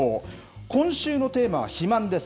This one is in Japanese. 今週のテーマは肥満です。